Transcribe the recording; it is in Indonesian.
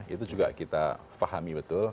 itu juga kita fahami betul